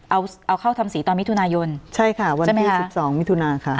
เอาเอาเข้าทำสีตอนมิถุนายนใช่ค่ะวันที่๑๒มิถุนาค่ะ